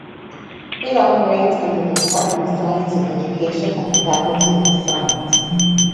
It operates under the Department of Science Education at the Faculty of Science.